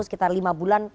sekitar lima bulan